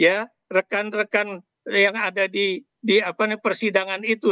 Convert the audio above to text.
ya rekan rekan yang ada di persidangan itu